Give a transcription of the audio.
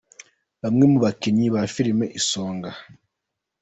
Bamwe mu bakinnyi ba filimu Isonga.